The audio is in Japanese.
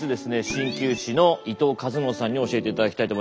鍼灸師の伊藤和憲さんに教えていただきたいと思います。